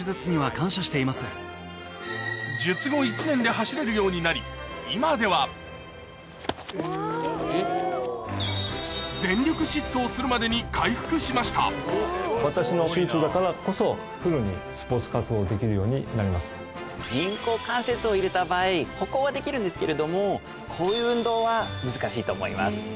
走れるようになり今ではするまでに回復しました人工関節を入れた場合歩行はできるんですけれどもこういう運動は難しいと思います。